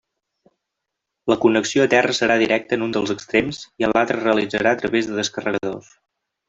La connexió a terra serà directa en un dels extrems i en l'altre es realitzarà a través de descarregadors.